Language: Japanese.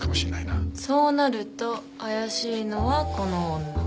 そうなると怪しいのはこの女。